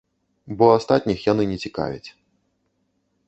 Бо астатніх яны не цікавяць.